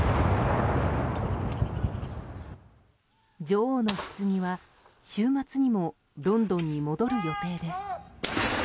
女王の棺は、週末にもロンドンに戻る予定です。